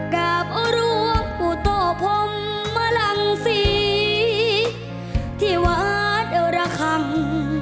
กราบร่วงอุตโตพมลังสีที่วัดระคัง